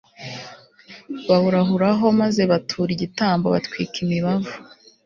bawurahuraho maze batura igitambo, batwika imibavu